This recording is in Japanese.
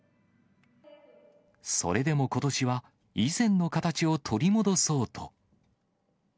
それでもことしは、以前の形を取り戻そうと。